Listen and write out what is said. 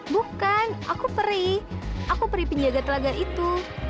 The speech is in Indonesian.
bukan aku peri aku peri penjaga telaga itu